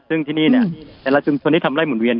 ซึ่งที่นี่แต่ละชุมชนที่ทำไล่หมุนเวียน